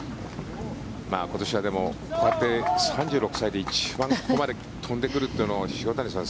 今年はこうやって３６歳で一番ここまで飛んでくるというのは塩谷さん